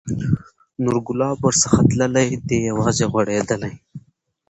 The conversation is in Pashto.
نور ګلاب ورڅخه تللي، دی یوازي غوړېدلی